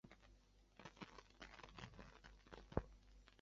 曾担任汉口中国银行行长。